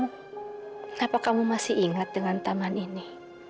kenapa kamu masih ingat dengan taman ini